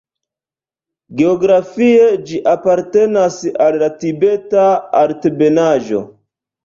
Geografie ĝi apartenas al la Tibeta altebenaĵo.